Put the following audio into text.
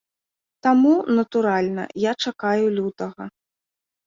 Таму, натуральна, я чакаю лютага.